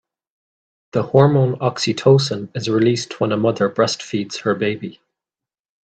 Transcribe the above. The hormone oxytocin is released when a mother breastfeeds her baby.